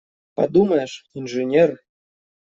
Подумаешь – инженер!